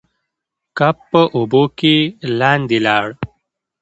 کب په اوبو کې لاندې لاړ.